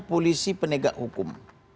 polisi penegak hukum